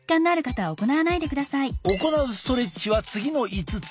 行うストレッチは次の５つ。